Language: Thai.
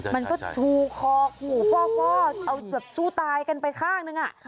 มันก็ชูคอขู่ฟ่อเอาแบบสู้ตายกันไปข้างนึง